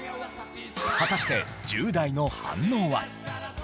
果たして１０代の反応は？